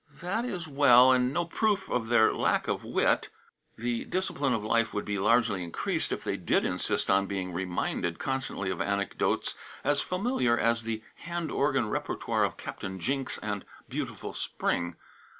That is well, and no proof of their lack of wit. The discipline of life would be largely increased if they did insist on being "reminded" constantly of anecdotes as familiar as the hand organ repertoire of "Captain Jinks" and "Beautiful Spring."